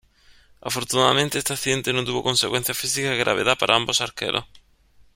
Afortunadamente, este accidente no tuvo consecuencias físicas de gravedad para ambos arqueros.